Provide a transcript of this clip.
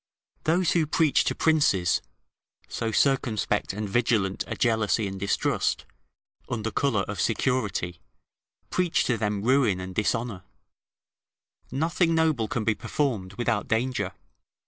Those who preach to princes so circumspect and vigilant a jealousy and distrust, under colour of security, preach to them ruin and dishonour: nothing noble can be performed without danger.